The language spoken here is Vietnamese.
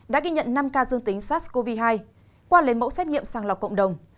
đã ghi nhận năm ca dương tính sars cov hai qua lấy mẫu xét nghiệm sàng lọc cộng đồng